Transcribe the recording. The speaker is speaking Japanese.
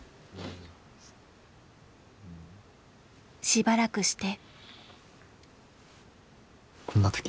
しばらくして。